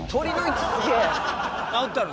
直ったの？